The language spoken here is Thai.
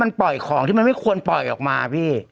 มันปล่อยของที่มันไม่ควรปล่อยออกมาพี่